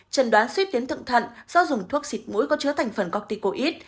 trần đoán suy tuyến thượng thận do dùng thuốc xịt mũi có chứa thành phần corticoid